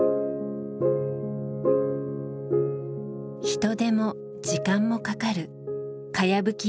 人手も時間もかかるかやぶき